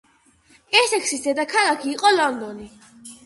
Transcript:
ესექსის დედაქალაქი იყო ლონდონი.